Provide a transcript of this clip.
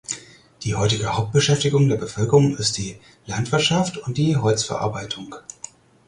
Die heutige Hauptbeschäftigung der Bevölkerung ist die Landwirtschaft und die Holzverarbeitung.